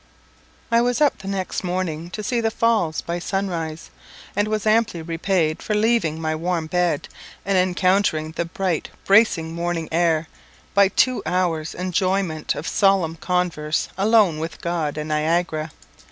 I was up by daybreak the next morning to see the Falls by sunrise, and was amply repaid for leaving my warm bed, and encountering the bright bracing morning air, by two hours' enjoyment of solemn converse alone with God and Niagara.